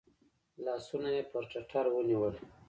لاسونه یې پر ټتر ونیول .